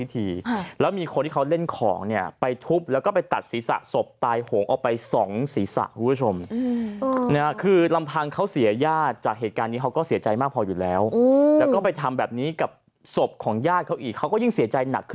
ทำไมต้องให้เขาตายซ้ำสองด้วย